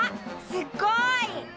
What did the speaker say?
すっごい！